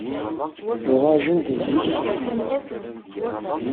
Uɣalen-d zik s axxam.